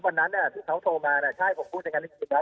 เพราะวันนั้นที่เขาโทรมาใช่ผมพูดอย่างนั้นอยู่กันแล้ว